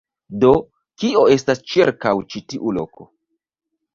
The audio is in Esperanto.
Do, kio estas ĉirkaŭ ĉi tiu loko?